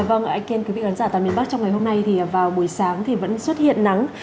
vâng anh kiên quý vị khán giả tại miền bắc trong ngày hôm nay thì vào buổi sáng thì vẫn xuất hiện nắng